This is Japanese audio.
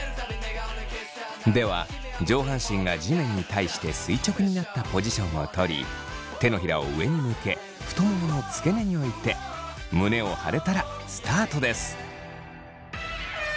では上半身が地面に対して垂直になったポジションを取り手のひらを上に向け太ももの付け根に置いて胸を張れたらスタートです。